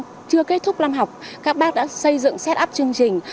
từ khi các con chưa kết thúc làm học các bác đã xây dựng set up chương trình